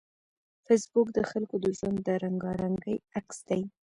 فېسبوک د خلکو د ژوند د رنګارنګۍ عکس دی